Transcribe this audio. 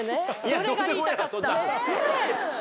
それが言いたかったねぇ！